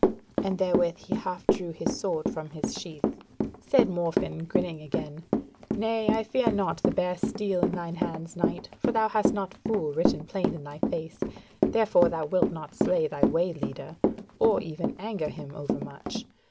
and therewith he half drew his sword from his sheath. Said Morfinn, grinning again: "Nay, I fear not the bare steel in thine hands, Knight; for thou hast not fool written plain in thy face; therefore thou wilt not slay thy way leader, or even anger him over much.